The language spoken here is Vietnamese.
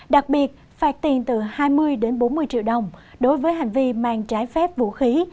đặc biệt phạt tiền từ hai mươi đến bốn mươi triệu đồng đối với hành vi mang trái phép vũ khí